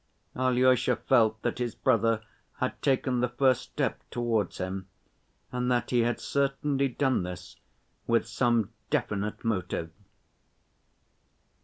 Alyosha felt that his brother had taken the first step towards him, and that he had certainly done this with some definite motive.